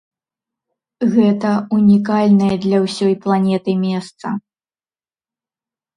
Гэта унікальнае для ўсёй планеты месца.